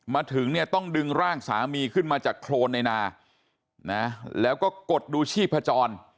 มาถึงเนี่ยต้องดึงร่างสามีขึ้นมาจากโครนในนานะแล้วก็กดดูชีพจร